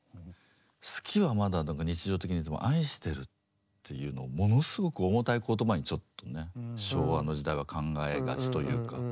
「好き」はまだ何か日常的に言えても「愛してる」って言うのものすごく重たい言葉にちょっとね昭和の時代は考えがちというか。